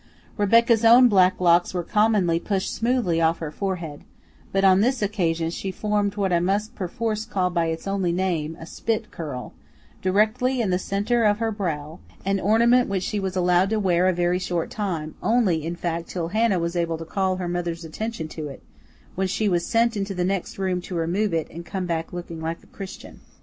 Rebecca's own black locks were commonly pushed smoothly off her forehead, but on this occasion she formed what I must perforce call by its only name, a spit curl, directly in the centre of her brow, an ornament which she was allowed to wear a very short time, only in fact till Hannah was able to call her mother's attention to it, when she was sent into the next room to remove it and to come back looking like a Christian.